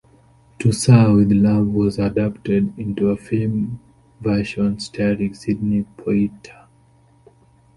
"To Sir with Love" was adapted into a film version, starring Sidney Poitier.